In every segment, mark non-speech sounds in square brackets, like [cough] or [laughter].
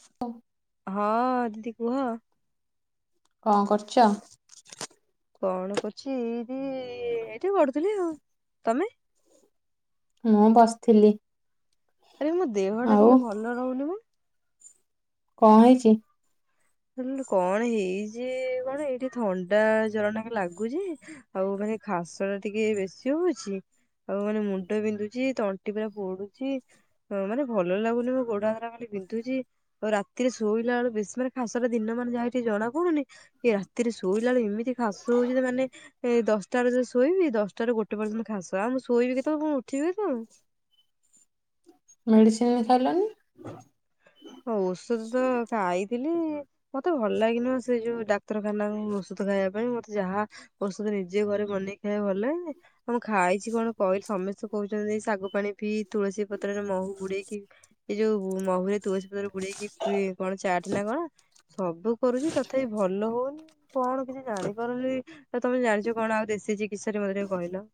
ହଁ। ହଁ ଦିଦି କୁହ? କଣ କରୁଛ? କଣ କରୁଛି ଏଇଦି ଏଠି ଗଡୁଥିଲି ଆଉ ତମେ? ମୁଁ ବସିଥିଲି। ଆରେ ମୋ ଦେହଟା ଆଉ ଟିକେ ଭଲ ରହୁନି ମ? କଣ ହେଇଛି? କଣ ହେଇଛି? କଣ ଏଇଠି ଥଣ୍ଡା ଜର ଟିକେ ଲାଗୁଛି, ଆଉ ମାନେ ଖାସ ଟା ଟିକେ ବେଶୀ ହଉଛି, ଆଉ ମାନେ ମୁଣ୍ଡ ବିନ୍ଧୁଛି ତଣ୍ଟି ପୁରା ପୋଡୁଛି, ମାନେ ଭଲ ଲାଗୁନି ମୁ ଗୋଡା ହରା ଖାଲି ବିନ୍ଧୁଛି ଆଉ ରାତିରେ ଶୋଇଲା ବେଳୁ ବେଶୀ ମାନେ ଖାସଟା ଦିନ ମାନେ ଯାହାିକି ଜଣା ପଡୁନି, ଏ ରାତିରେ ଶୋଇଲା ବେଳେ ଏମିତି ଖାସ ହଉଛି। ମାନେ ଏ ଦଶଟାରେ ଶୋଇବି ଦଶଟାରୁ ଗୋଟେ ପର୍ଯ୍ୟନ୍ତ ଖାସ ଆଉ ମୁଁ ଶୋଇବି କେତେବେ କଣ ଉଠିବି କେତବେଳେ? ମେଡିସିନ ଖାଇଲନି? ହ ଓଷଦ ତ ଖାଇଥିଲି ମତେ ଭଲ ଲାଗେ ନାଇ, ସେ ଯୋଉ ଡାକ୍ତରଖାନା ଔଷଧ ଖାଇବା ପାଇଁ ମତେ ଯାହା ଔଷଧ ନିଜେ ଘରେ ବନେଇ ଖାଇବା ଭଲ ଆ ମୁଁ ଖାଇଛି କଣ କହିଲି ସମସ୍ତେ କହୁଛନ୍ତି ଶାଗୁ ପାାଣି ପିଇ, ତୁଳସୀ ପତ୍ରରେ ମହୁ ବୁଡେଇକି ଏ ଯୋଉ ମହୁ ତୁଳସୀ ପତର ବୁଡେଇକି କଣ ଚାଟ ନା କଣ ସବୁ କରୁଛି। ତଥାପି ଭଲ ହଉନି। କଣ କିଛି ଜାଣିପାରୁନି ଆ? ତମେ ଜାଣିଛ କଣ ଆଉ ଦେଶୀ ଚି? ବିଷୟରେ ମତେ ଟିକେ କହିଲ?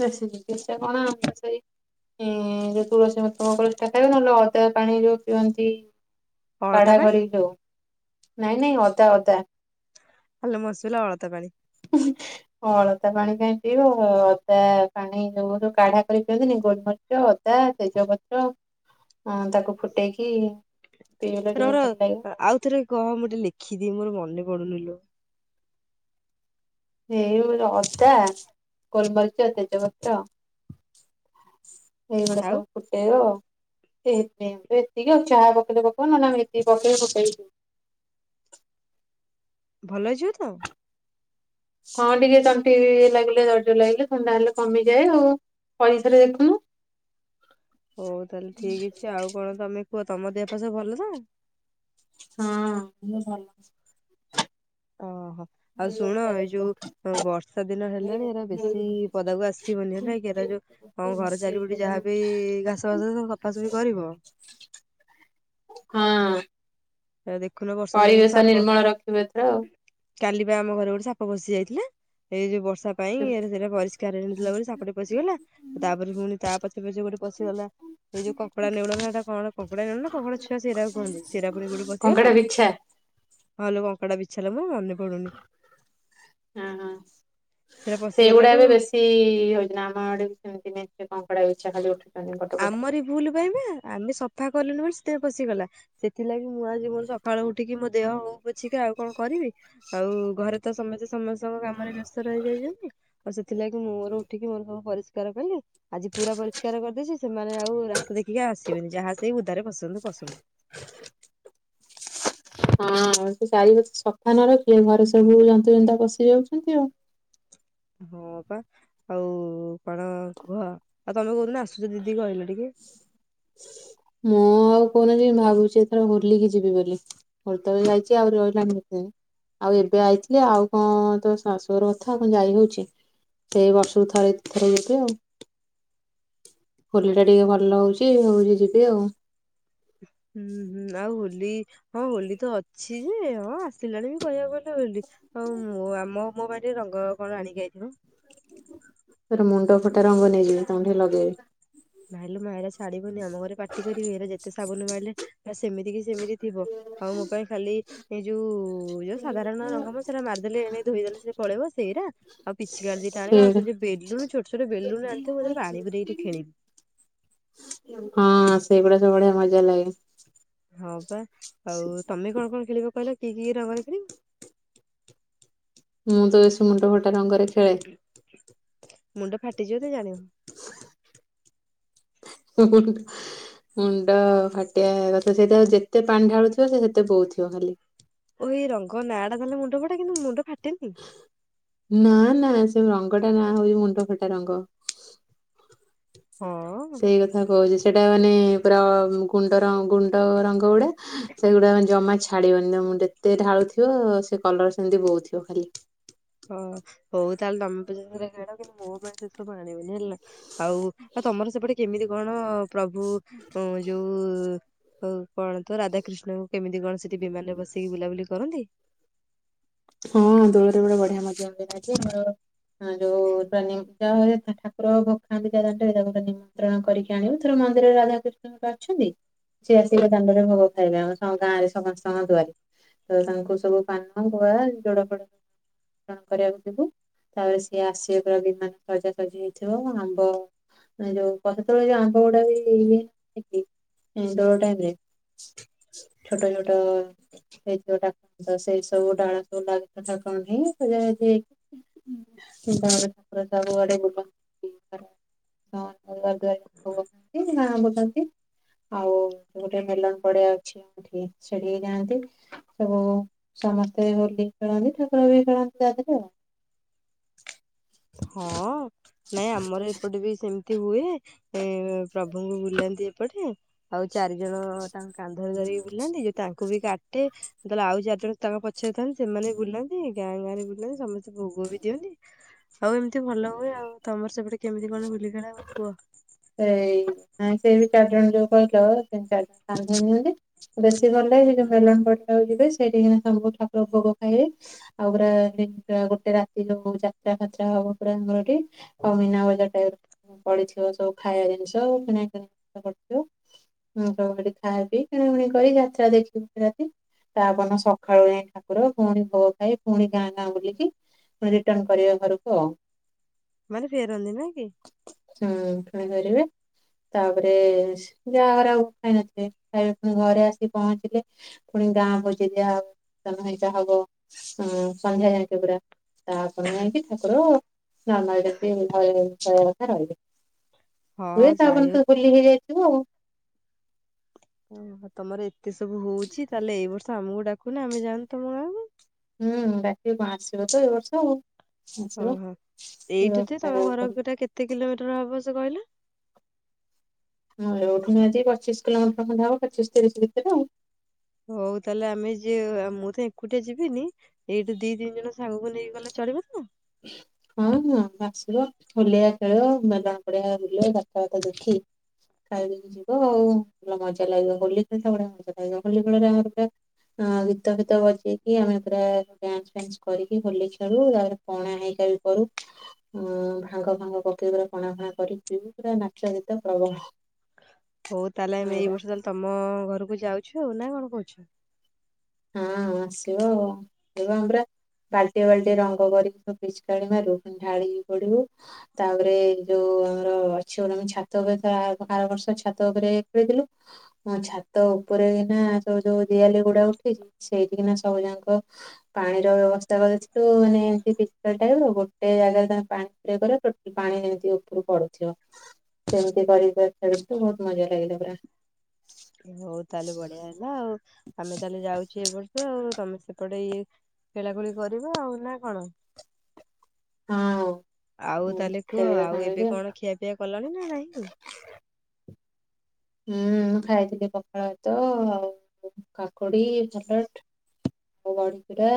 ଦେଶୀ ଚିକିତ୍ସା କଣ? ଆମର ସେଇଁ ଯୋଉ ତୁଳସୀ ମତଳ ସେଟା ଖାଇବ, ନହେଲେ ଅଦା ପାଣି ଯୋଉ ପିଅନ୍ତି। ଅଳତା କାଢା ପାଣି କରିକି ଦଉ, ନାଇଁ ନାଇଁ। ପଳତା ଭଲ ମସୁର‌ ଅଳତା ପାଣି। ଅଳତା ପାଣି ପାଇଁ ପିଇବ ଅଦା ପାଣି ଯୋଉ ଯଉ କାଢା କରି ପିଅନ୍ତିନି। ଗୋଲମରିଚ, ଅଦା ତେଜ ପତ୍ର ତାକୁ ଫୁଟେଇକି ପିଇଲେ ଟିକେ ରର ଭଲ ଲାଗିବ। ଆଉଥରେ କହ ମୁଁ ଟିକେ ଲେଖିଦିଏ ମୋର ମନେ ପଡୁନି ଲୋ। [unintelligible] ଏଇ ଅଦା, ଗୋଲମରିଚ, ତେଜପତ୍ର। ସେଇଗୁଡା ଆଉ ସବୁ ଫୁଟେଇ ବ ମୁଁ ଏତିକି ଆଉ ଚାହା ପକେଇଲେ ପକଉ ନହଲେ, ମୁଁ ଏତିକି ପକେଇକି ପକେଇ ଭଲ ହେଇଯିବ ତ? ହଁ ଟିକେ ତଣ୍ଟି ଲାଗିଲେ ଦରଜ ଲାଗିଲେ ଥଣ୍ଡା ହେଲେ କମିଯାଏ, ଆଉ ପଇସାରେ ଦେଖୁନୁ। ହଉ ତାହେଲେ ଠିକ ଅଛି, ଆଉ କଣ ତମେ କୁହ? ତମ ଦେହ ପା ସବୁ ଭଲ ତ। ହଁ। ମୁଁ ଭଲ ଅଛି। ଅହୋ। ଆଉ ଶୁଣ ଏଇ ଯୋଉ ବର୍ଷା ଦିନ ହେଲାଣି, ଏରା ବେଶୀ ପଦାକୁ ଆସିବନି ହେଲା, ଏରା ଯୋଉ ଘର ଚାରିପଟେ ଯାହା ବିି ଘାସ ଫାସ ସଫାସଫି କରିବ। ହଁ ଏ ଦେଖୁନ ବର୍ଷା ଦିନେ କିନ୍ତୁ ପରିବେଶ ସାପ ନିର୍ମଳ ରଖିବି, ଏଥର ଆଉ। କାଲି ବା ଆମ ଘରେ ଗୋଟେ ସାପ ପସିି ଯାଇଥିଲା। ଏଇ ଯୋଉ ବର୍ଷା ସେଥିପାଇଁ ସେଟା ପରିଷ୍କାର ହେଇନଥିଲା ବୋଲି ସାପଟେ ପଶିଗଲା, ତାପରେ ପୁଣି ତା ପଛେ ପଛେ ଗୋଟେ ପଶିଗଲା, ଏଇ ଯଉ କଙ୍କଡା ନେଉଳ ନାଟା କଣ କଙ୍କଡା ନେଉ ନା କଙ୍କଡା ଛୁଆ ସେରାକୁ କୁହନ୍ତି ସେରା [unintelligible] ଗୋଟ ବସିଗଲା। କଙ୍କଡା ବିଛା ଆଉଲ କଙ୍କଡ଼ା ବିଛା ଲ ହଁ ହଁ ସେଟା ସେଗୁଡା ପଶିଗଲାଠୁ ବି ବେଶୀ ହଉଛି ନା ଆମ ଆଡେ ବି ସେମିତି କଙ୍କଡା ଇଛାଲି ଉଠୁ ଆମରି ଭୁଲ ପାଇବା ଆମେ ସ ସଫା କଲିଣିି ମ ସେତ ପଶିଗଲା ସେଥିଲାଗି, ମୁଁ ଆଜି ମୋର ସକାଳୁ ଉଠିକି ମୋ ଦେହ ହଉ ପୋଛିିକି, ଆଉ କଣ କରିବି ଆଉ ଘରେ ତ ସମସ୍ତେ ସମସ୍ତଙ୍କ କାମରେ ବ୍ୟସ୍ତ। ରହିଯାଇଛନ୍ତି ଆଉ ସେଥିଲାଗି ମୁଁ ମୋର ଉଠିକି ମୋର ସବୁ ପରିଷ୍କାର କଲି ଆଜି ପୁରା ପରିଷ୍କାର କରିଦେଇଛି। ସେମାନେ ଆଉ ରାସ୍ତା ଦେଖିକି ଆସିବେନି ଯାହା ସେଇ ଉଦାରେ ପସନ୍ତୁ- ପସନ୍ତୁ। ହଁ ସେ ଚାରି ନ ରଖିଲେ ଘରେ ସବୁ ବୁଲନ୍ତୁ ଯେନ୍ତା ପ ସେ ଯାଉଛନ୍ତି ଆଉ। ହଁ ବାପା ଆଉ କଣ କୁହ, ଆଉ ତମେ କହୁଦିନ ଆସୁଛ ଦିଦି କହିଲ ଟିକେ। ମୁଁ ଆଉ କହୁନି ଯିମି ଭାବୁଛି ଏଥର ହୋଲିକି ଯିବି ବୋଲି ହୋଲି ତବେଳେ ଯାଇଛି, ଆଉ ରହିଲାଣି ସେ ଆଉ ଏବେ ଆଇଥିଲି, ଆଉ କଣ ତ ଶାଶୁର କଥା କଣ ଯାଇ ହଉଛି ସେଇ ବର୍ଷକୁ ଥରେ ଥରେ ଯିବି ଆଉ। ଖୋଲି ଟା ଟିକେ ଭଲ ହଉଛି ହଉଛି ଯିବି ଆଉ। ହୁଁ ହୁଁ ଆଉ ହୋଲି ହଁ ହୋଲି ତ ଅଛି ଯେ ହଁ ଆସିଲାଣି ବି କହିବାକୁ ଗଲେ, ହୋଲି ଆଉ ଆମ ମୋ ପା ରଙ୍ଗ କଣ ଆଣିକି ଯଇଥିବ। ତର ମୁଣ୍ଡ ଫଟା ରଙ୍ଗ ନେଇକ ତାଙ୍କୁଠିକି ଲଗେଇବି। ନାଇଁଲୁ ମାଇଳା ଛାଡବ ନି ଆମ ଘରେ ପାଟି କରିବି, ଏ ଯେତେ ସାବୁନ ମିଳିଲେ ସେମିତି କି ସେମିତି ଥିବ ଆଉ ମୋ ପାଇଁ ଖାଲି ଏଇ ଯୋଉ ଯୋଉ ସାଧାରଣ ରଙ୍ଗମ ସେଟା ମାରିଦେଲେ, ଏ ଧୋଇଦେଲେ ସେ ପଳେଇ ସେଇଟ ଆଉ ପିଚିକାଡି, ଦି ସେ ଆଣ ଆଉ ସେଉ ବେଲୁ ଛୋଟ ଛଟ ବେୁଲୁଣ ଆଣିଥିବ ମୁଁ ପାଣି ପୁରରେଇ ଟିକେ ଖେଲିବି। ହଁ ସେ ଏଇଗଡ ସ ବଢ଼ଆ ମଜା ଲାଗେ। ହଁ ପା ଆଉ ତମେ କଣ କଣ ଖେଳିବ କହିଲ କି କି ରବାରଖ। ମୁଁ ତସ ମୁଣ୍ଡ ଘଟ। ରଙ୍ଗରେ ଖେଳେ। ମୁଣ୍ଡ ଫାଟିଯିବ ତ ଜାଣିବ। ମୁଣ୍ଡ ଫାଟିଆ କଥା ସେଇଟା ଆଉ ଯେତେ ପାଣି ଢାଳୁଥିବ, ସେ ସେତେ ବୋଉଥିବ ଖାଲି। ଏଇ ରଙ୍ଗ ନାଁ ଟା ଦେଲେ ମୁଣ୍ଡ ଫଟା, କିନ୍ତୁ ମୁଣ୍ଡ ଫା। ନା-ନା। ସେ ରଙ୍ଗଟା ନାଁ ହଉଛି ମୁଣ୍ଡ ଫଟା ରଙ୍ଗ। ହଁ ସେଇ କଥା କହୁଛି ସେଇଟା ମାନେ। ପୁରା ଗୁଣ୍ଡ ଗୁଣ୍ଡ ରଙ୍ଗ ଗୁଡା। ସେଗୁଡାେ ଜମା ଛାଡିବନି ତ ଯେତେ ଢାଳୁଥିବ। ସେ କଲର ସେମତି ବହୁଉ ଥିବ ଖାଲି। ହଁ ହଉ ତାହଲେ ତମରେ। ଯୋେ ମୋହେ [unintelligible] ିବ ହେଲା ଆଉ ଆଉ ତମର ସେପଟେ କେମିତି କଣ? ପ୍ରଭୁ ଯୋଉ। କଣ ତ ରାଧା କୃିଷ୍ଣଙ୍କୁ କେମିତି କଣ ସେଠି ବିମାନରେ ବସିକି ବୁଲାବୁଲି କରନ୍ତି। ହଁ ଦୋଳରେ ଗୋଟେ ବଢିଆ ମ ଆମର ଯୋଉ ଯାହା ଠାକୁର ଭୋଗ ଖାନ୍ତି ଯ ଦରେ ତାକୁୋ ନିମନ୍ତ୍ରଣ କରିକି ଆଣିବୁ ଥର ମନ୍ଦିରରେ ରାଧାକୃଷ୍ଣଙ୍କ ଅଛନ୍ତି ସେିଏ ଆସିକେ ଦାଣ୍ଡରେ ଭୋଗ ଖାଇବେ ଆମ ଗାଁରେ ସମସ୍ତଙ୍କ ଦୁଆରେ ତ ତାଙ୍କୁ ସବୁ ପାନ ୁଆ ଜୋଡ ଫଡ କରିବାକୁ ଥିବୁ ତାପରେ ସିଏ ଆସିବା ପ ବି ସଜାସଜି ହେଇଥିବ ଆମ୍ବ ଯୋଉ ପଛ ତୋଳ ଯୋଉ ଆମ୍ବ ଗୁଡା ବିୋ ଟାଇ ଛୋଟ ଛୋଟ ହେଇଥିବା ସେ ସବୁ ଡାଳ ସବୁ ଲାଗିଥା କଣ ହେଇଜାର ସବୁଡେ୍ଵାରା ଓଉିନ ଆଉ ଗୋଟେ ମେଲନ ପଡିଆ ଅଛିଠି ସେଠିକି ଯଆନ୍ତି ସବୁ ସମସ୍ତେ ହୋଲି ଖେଳନ୍ତି ଠାକୁର ବି ଖେଳନ୍ତି ତା ଦେହରେ ଆଉ ହଁ। ଏମିତି ହୁଏ ପ୍ରଭୁଙ୍କୁ ବୁଲାନ୍ତି ଏପଟେ ଆଉ ଚାରି ଜଣ ତାଙ୍କ କାନ୍ଧରେ ଧରି ବୁଲାନ୍ତି ଯେ ତାଙ୍କୁ ବି କାଟେହେଲେ ଆଉ ଚାରିଜଣ ତାଙ୍କ ପଛରେ ଥାନ୍ତି ସେମାନେ ବି ବୁଲାନ୍ତି ଗାଁ ଗାଁରେ ବୁଲାନ୍ତି ସମସ୍ତେ ଭୋଗ ବି ଦିଅନ୍ତି ଆଉ ଏମିତି ଭଲ ହୁଏ ଆଉ ତମର ସେପଟେ କେମିତି କଣ ହୁ କଣେ ବା କୁହ ସେଇ ନାଇ ସେଇ ବି ଚାରିଜଣ ଯୋଉ କହିଲ ସେ ଚାରିଜଣ କା ହେଇ ନିନ୍ତି ବ ଗଲେଇ ଯୋଉ ମେଳା କଟା ହଉଛି ସେଇଠ ଠାକୁର ଭୋଗ ଖାଇବେ ଆଉ ପୁରା ଗୋଟେ ରାତି ଯୋଉ ଯାତ୍ରା ଫାତ୍ରା ହବ ପୁରା ଆମର ଏଠି ଆଉ ମନା ବଜାର ଟାଇ ପଡିଥିବ ସବୁ ଖାଇବା ଜିନିଷ ଆ କିଣାକିିବ ସବୁ ସେଠି ଖାଇବା ପିଇ କିଣାକିଣି କରି ଯାତ୍ରା ଦେଖିବି ରାତି ତାପ ସକାଳୁ ଯାଇ ଠାକୁର ପୁଣି ଭୋଗ ଖାଇ ପୁଣି ଗାଁ ଗାଁ ବୁଲିକି ପୁଣି ରିଟର୍ଣ କରିବା ଘରକୁ ଆଉ ମାନେ ଫେର ହନ୍ତି ନା କି ହୁଁ ପୁଣି ଧରିବେ ତାପରେ ଯାହାଘରେ ଆଉ ଖାଇନଥିବେ ଖାଇବେ ପୁଣି ଘରେ ଆସିିକି ପହଞ୍ଚିଲେ ପୁଣି ଗାଁ ବୋଜିେଇ ଦିଆହବ ନହେଁ ଯା ହବ ସନ୍ଧ୍ୟା ଯାଇଛ ପୁରା ତାପରେ ଯାଇକି ଠାକୁର ନାନ ଏଠି ମିଠା ହୁଏ ହଁ ସାବନ ଯାଇ ତୁ ବୁଲି ହେଇଯାଇଥିବୁ ଆଉ ଓହୋ ତମର ଏତେ ସବୁ ହଉଛି ତାହେଲେ ଏଇ ବର୍ଷ ଆମକୁ ଡାକୁନ ଆମେ ଯାଅନ୍ତୁ ତମ ଗାଁକୁ। ହୁଁ ଡାକିବି କଣ ଆସିବ ତ ଏ ବର୍ଷ ଆଉ। ଆସିବ ଓହୋ ଏଇଠୁ ହଁ ଯେ ତମ ଘରଟା କେତେ। କିଲୋମିଟର ହବ ସେ କହିଲ। ହଁ ଏଇଠୁନିହାତି ପଚିଶ କିଲୋମିଟର ଖଣ୍ଡେ ହବ ପଚିଶ ତିରିଶ ଭିତରେ ଆଉ। ହଉ ତାହେଲେ ଆମେ ଯିଏ ମୁଁ ତ ଏକୁଟିଆ ଯିବିନି ଏଇଠି ଦି ତିନି ଜଣ ସାଙ୍ଗକୁ ନେଇକି ଗଲେ ଚଳିବ ତ? ହଁ ହଁ ଆସିବ ହୋଲିଆ ଖେଳ ମେଲଣ ପଡିଆ ବୁଲିବ ଯାତ୍ରା ଫାତ୍ରା ଦେଖି ଖାଇକି। ଯିବ ଆଉ ପୁର ମଜା। ମଜା ଲାଗିବ ହୋଲି ଖେଳ ଟା ବଢିଆ ମଜା ଲାଗିବ ହୋଲି ଖେଳରେ ଆମେ ପୁରା ଗୀତ ଫିତ ବଜେଇକି ଆମେ ପୁରା ଡନ୍ସ ଫାନ୍ସ କରିକି ହୋଲି ଖେଳୁ ଆଉ। ପଣା ହେଇକା ବି କରୁ ଭାଙ୍ଗ ଭାଙ୍ଗ ପକେଇ ପୁରା ପଣା ଫଣା କରି ପିଉ ପୁରା ନାଚ ଗୀତ ପ୍ରବଳ। ହଉ ତାହେଲେ ଆମେ ଏଇ ହଁ ବର୍ଷହେଲେ ତମ ଘର କୁ। ଯାଉଛୁ ଆଉ ନା କଣ କହୁଛୁ। ହଁ ଆସିବ ଆମେ ପୁରା ବାଲ୍ଟି ଏ ବାଲ୍ଟି ଏ ରଙ୍ଗ କରିକି ସବୁ ପିଚକାରି ମାରୁ ଢାଳି ହେଇ ପଡିବୁ ତାପରେ ଯୋଉ ଆମର ଅଛି ଗୋଟେ ଛାତ ଉପରେ ଆର ବର୍ଷ ଛାତ ଉପରେ ଖେଥିଲୁ ଛାତ ଉପରେନା ଯୋଉ ଦିଆଲି ଗୁଡାକୁ ସେଇଠିକିନା ସବୁ ଯାକ ପାଣିର ବ୍ୟବସ୍ଥା କରି ଦେଇଥିଲୁ ମାନେ ଏମତି ପିକକାରି ଟା ଆଣିଲୁ ଗୋଟେ ଜାଗାରେ ପାଣି ପୂରାଇ ଦେଲ ପାଣି ଯେମତି ଉପରୁ ପଡୁଥିବ ସେମିତି କରି କାରିକା ଖେଳୁ ବହୁତ ମଜା ଲାଗିଲା ପୁରା। ହଉ ତାହେଲେ ବଢିଆ ହେଲା ଆଉ ଆମେ ତାହେଲେ ଯାଉଛେ ଏବର ର୍ଷ ଆଉ ତମେ ସେପଟେ ଇଏ ଖେଳାଖେଳି କରି ବୁ ଆଉ ନା କଣ। ହଁ। ଆଉ ମୁଁ ତାହେଲେ କୁହ ଖେଳିବା ଆଉ ଏବେ ସାଙ୍ଗରେ କଣ ଖିଆପିଆ କଲଣି ନା ନାହିଁ? ହୁଁ ମୁଁ ଖାଇଥିଲି ପଖାଳ ଭାତ ଆଉ କାକୁଡି ପଟ ଟ ଆଉ ବଡି ପରା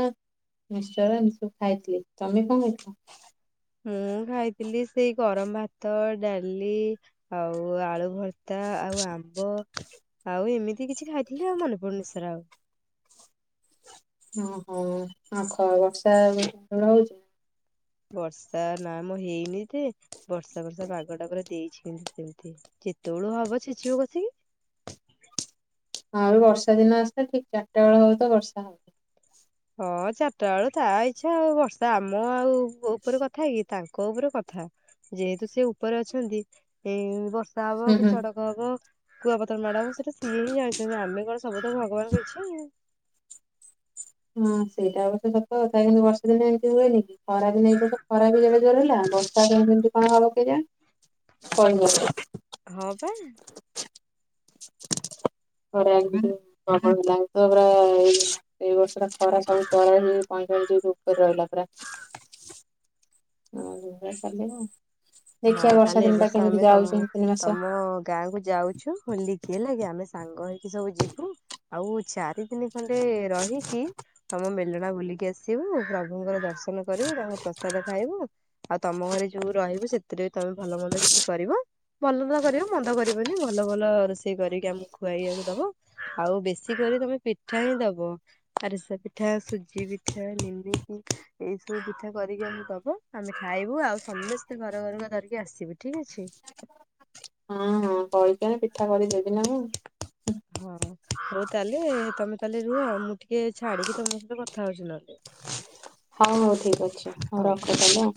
ମିସ୍କଚର୍ ଏମିତି ସବୁ ଖାଇଥିଲି ତମେ କଣ ଖାଇଥିଲ? ମୁଁ ଖାଇଥିଲି। ସେଇ ଗରମ ଭାତ ଡାଲି ଆଉ ଆଳୁ ଭର ତା ଆଉ ଆମ୍ବ ଆଉ ଏମିତି। ତିି କିଛି ଖାଇଥିଲେ ଆଉ ମନେ ପଡୁନି ସେରା ଆଉ। ଓହୋ ଆଉ କଣ ବର୍ଷା ସାଡେ ହଉଛି। ବର୍ଷା ନା ମ ହେଇନି ଯେ ବର୍ଷା ବର୍ଷା ପାଗଟା ପୁରା ଦେଇଛି କିନ୍ତୁ ଯେତେବେଳୁ ହବ ଛେଚିବ କସିକି। ହଁ ଆଉ ବର୍ଷା ଦିନ ଆସିଲେ ଠିକ ଚାରିଟା ବେଳ ହବ ତ ବର୍ଷା। ହଁ ଚାରିଟା ବେଳୁ ତା ଇଚ୍ଛା ଆଉ ବର୍ଷା ଆମ ଆଉ। ମୋ ଉପରେ କଥା କି। ତାଙ୍କ ଉପରେ କଥା। ଯେହେତୁ ସେ ଉପରେ ଅଛନ୍ତି, ଏ ବ ବର୍ଷା ହବ ହୁଁ କି ହୁଁ। ଚଡ଼କ ହବ। କୁଆ ପ ଥର ମାଡ ହବ ସେଟା ସିଏ ହିଁ ଜାଣିଛନ୍ତି ଅମେ କଣ। ସବୁ ତ ଭଗବାନ ଇଚ୍ଛା ଆଉ। ହଁ ସେଇଟା ଅବଶ୍ୟ ସତକଥା। କିନ୍ତୁ ବର୍ଷା ଦିନେ ଏମିତି ହୁଏନି କି ଖରା ଦିନ ଏଇବର୍ଷ ଖରା ବି ଯେଡ଼େ ଜୋର୍ ହେଲା। ବର୍ଷା କେମିତି କଣ ହେବ କେଜାଣି କହି ହବନି। ହଁ ପା ଖରାଯୋଉ ଲାଗୁଥିଲା ପୁରା ଏଇ ବର୍ଷ। ପୁରା ଖରା ସବୁ ଚରାଳିସ ଡିଗ୍ରୀ ପଇଁଚାଳିଶ ଡିଗ୍ରୀ ଉପରେ ରହିଲା ପୁରା ଅ ଏଇଭଳିଆ ଚାଲିବ ଆଉ। ହଁ ଦେଖିବା ବର୍ଷା ତାହେଲେ ଏ ଦିନଟା ବର୍ଷ କେମିତି ଆମେ ଯାଉଛି ତମ ତିନି ତିନି ମାସ। ତମ ଗାଁ କୁ ଯାଉଛୁ। ହୋଲି କି ଆମେ ସାଙ୍ଗ ହେଇ। ସବୁ ଯିବୁ ଆଉ ଚାରିଦିନି। ଖଣ୍ଡେ ରହିକି ତମ ମେଲ ମେଲଣ ବୁଲିକି ଆସିବୁ। ପ୍ରଭୁଙ୍କର ଦର୍ଶନ କରିବୁ ତାଙ୍କ ପ୍ରସାଦ ଖାଇବୁ। ଆଉ ତମ ଘରେ ଯୋଉ ରହିବୁ ସେ ସେଥିରେ ତମେ ଭଲ ମନ୍ଦ କିଛି କରିବ। ଭଲ ତ କରିବ ମନ୍ଦ କରିବନି। ଭଲ ଭଲ ରୋଷେଇ କରିକି ଆମକୁ ଖୁଆଇବାକୁ ଦବ ଆଉ ବେଶୀ କରିି ତମେ ପିଠା ହିଁ ଦବ। ଆରିସା ପିଠା ସୁଜି ପିଠା ନିମିକ୍ ଏଇ ସବୁ ପିଠା କରିକି ଆମକୁ ଦବ। ଆମେ ଖାଇବୁ ଆଉ ସମସ୍ତେ ଘରେ। ରକୁ ଧରିକି ଆସିବି ଠିକ ଅଛି। ହଏ। କେଣ ପିଠା କରିଦେବି ନା ମୁଁ। ହଁ ହଉ ତାହେଲେ ତମେ ତାହେଲେ ରୁହ। ମୁଁ ଟିକେ ଛାଡିକି ତମ ସହିତ କଥା ହଉଛି ନହେଲେ। ହଉ ଠିକ ଅଛି ହଉ ରଖ ତାହେଲେ।